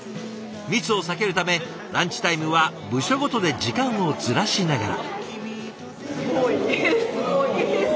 密を避けるためランチタイムは部署ごとで時間をずらしながら。